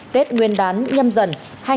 tết nguyên đán nhâm dần hai nghìn hai mươi